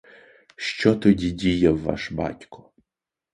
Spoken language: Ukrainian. Що тоді діяв ваш батько?